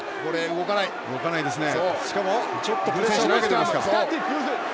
動かないですね。